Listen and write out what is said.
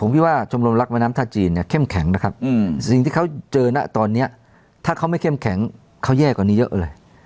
ได้ช่วยเขาครับไคะเค้าเจอนะตอนนี้ถ้าเขาไม่แข็มแข็งเพราะแยะเยอะเลย